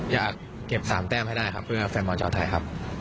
อยากเก็บ๓แต้มให้ได้ครับเพื่อแฟนบอลชาวไทยครับ